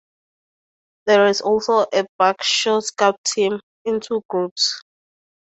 There is also a Buckshaw Scout team, in two groups.